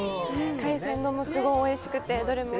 海鮮丼もすごいおいしくて。